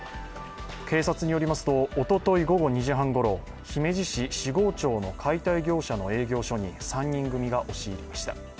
警察によりますと、おととい午後２時半ごろ、姫路市四郷町の解体業者の営業所に３人組が押し入りました。